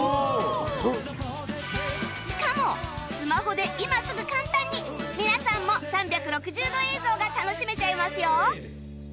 しかもスマホで今すぐ簡単に皆さんも３６０度映像が楽しめちゃいますよ